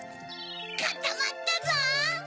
かたまったゾウ！